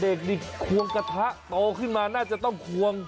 เด็กนี่ควงกระทะโตขึ้นมาน่าจะต้องควง